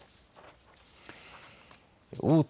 大手